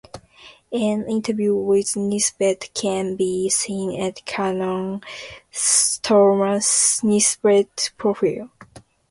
An interview with Nisbett can be seen at Canon Thomas Nisbett profile.